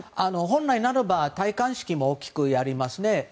本来ならば戴冠式も大きくやりますね。